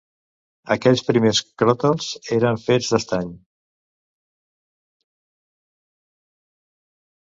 Aquells primers cròtals eren fets d'estany.